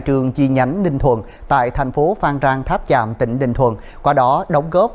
trường chi nhánh ninh thuận tại thành phố phan rang tháp chạm tỉnh ninh thuận qua đó đóng góp